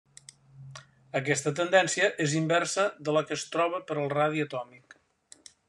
Aquesta tendència és inversa de la que es troba per al radi atòmic.